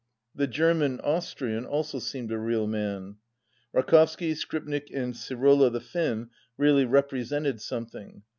The German Austrian also seemed a real man. Rakovsky, Skripnik, and Sirola the Finn really represented something.